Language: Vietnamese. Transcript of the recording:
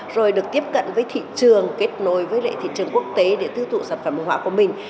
rồi được tiếp cận với thị trường kết nối với thị trường quốc tế để tư thụ sản phẩm hóa của mình